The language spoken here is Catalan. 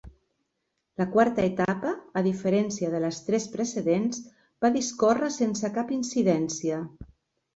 La quarta etapa, a diferència de les tres precedents, va discórrer sense cap incidència.